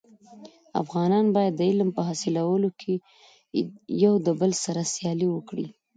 افغانان باید د علم په حاصلولو کي يو دبل سره سیالي وکړي.